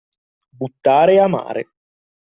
Buttare a mare.